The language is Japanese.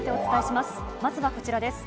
まずはこちらです。